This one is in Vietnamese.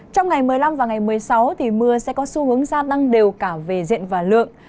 trong ngày một mươi năm và ngày một mươi sáu mưa sẽ có xu hướng gia tăng đều cả về diện và lượng